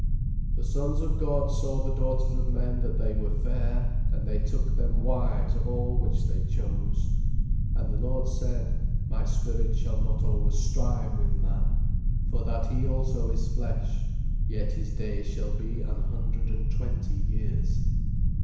"The Sons of God saw the daughters of men that they were fair: and they took them wives of all which they chose. "And the Lord said, My spirit shall not always strive with Man, for that he also is flesh; yet his days shall be an hundred and twenty years.